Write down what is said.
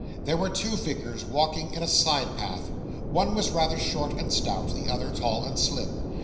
There were two figures walking in a side path; one was rather short and stout; the other tall and slim.